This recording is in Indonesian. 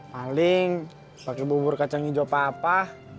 paling pakai bubur kacang hijau papa